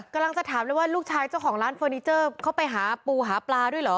กำลังจะถามเลยว่าลูกชายเจ้าของร้านเฟอร์นิเจอร์เข้าไปหาปูหาปลาด้วยเหรอ